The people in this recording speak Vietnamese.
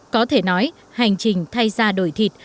có thể nói hành trình thay ra đổi thịt